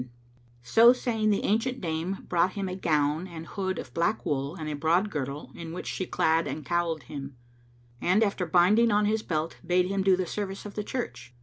"[FN#515] So saying the ancient dame brought him a gown and hood of black wool and a broad girdle,[FN#516] in which she clad and cowled him; and, after binding on his belt, bade him do the service of the church.